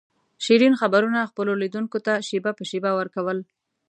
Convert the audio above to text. شیرین خبرونه خپلو لیدونکو ته شېبه په شېبه ور کول.